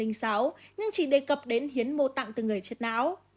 nhưng chỉ đề cập đến hiến mô tạng từ người chết não